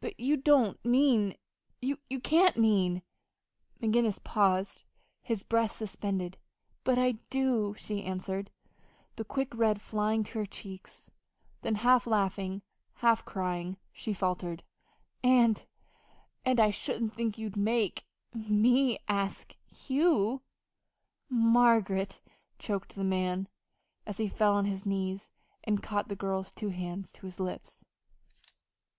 "But you don't mean you can't mean " McGinnis paused, his breath suspended. "But I do," she answered, the quick red flying to her cheeks. Then, half laughing, half crying, she faltered: "And and I shouldn't think you'd make me ask you!" "Margaret!" choked the man, as he fell on his knees and caught the girl's two hands to his lips.